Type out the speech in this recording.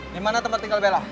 di mana tempat tinggal bella